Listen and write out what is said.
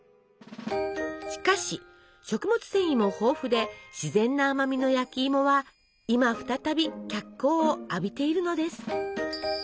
しかし食物繊維も豊富で自然な甘みの焼きいもは今再び脚光を浴びているのです！